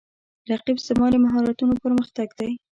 رقیب زما د مهارتونو پر مختګ دی